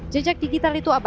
jajak digital itu apa